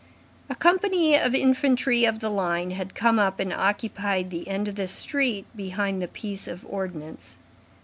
A company of infantry of the line had come up and occupied the end of the street behind the piece of ordnance.